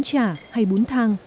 như phở bún chả hay bún thang